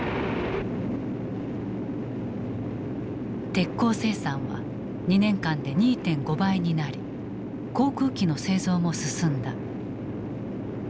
鉄鋼生産は２年間で２．５倍になり航空機の製造も進んだ。